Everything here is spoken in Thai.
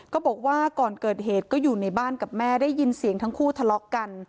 บอกว่าก่อนเกิดเหตุก็อยู่ในบ้านกับแม่ได้ยินเสียงทั้งคู่ทะเลาะกัน